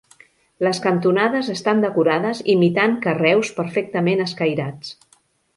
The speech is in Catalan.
Les cantonades estan decorades imitant carreus perfectament escairats.